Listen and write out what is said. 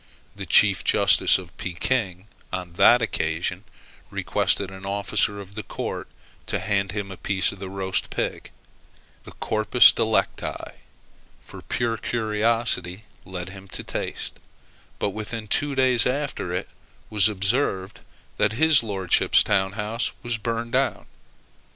The chief justice of Pekin, on that occasion, requested an officer of the court to hand him a piece of the roast pig, the corpus delicti, for pure curiosity led him to taste; but within two days after it was observed that his lordship's town house was burned down.